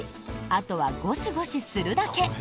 あとはゴシゴシするだけ。